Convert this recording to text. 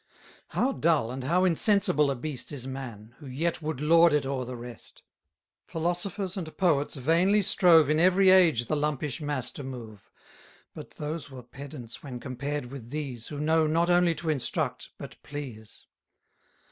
How dull, and how insensible a beast Is man, who yet would lord it o'er the rest! Philosophers and poets vainly strove In every age the lumpish mass to move: But those were pedants, when compared with these, Who know not only to instruct, but please.